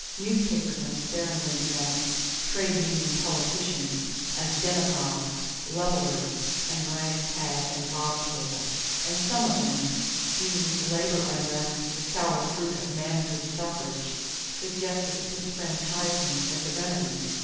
Newspapers unsparingly denounced "trade union politicians" as "demagogues," "levellers," and "rag, tag, and bobtail"; and some of them, deeming labor unrest the sour fruit of manhood suffrage, suggested disfranchisement as a remedy.